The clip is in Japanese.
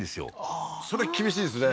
ああーそれ厳しいですね